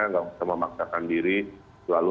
nggak usah memaksakan diri selalu